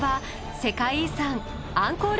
世界遺産アンコール